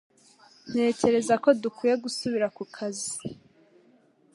Ntekereza ko dukwiye gusubira ku kazi